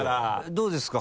どうですか？